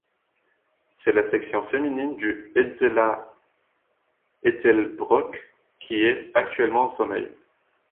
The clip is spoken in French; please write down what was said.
C'est la section féminine du Etzella Ettelbruck qui est, actuellement, en sommeil.